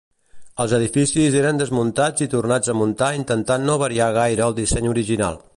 Els edificis eren desmuntats i tornats a muntar intentant no variar gaire el disseny original.